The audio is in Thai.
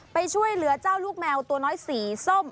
ไปช่วยเหลือเจ้าลูกแมวตัวน้อยสีส้ม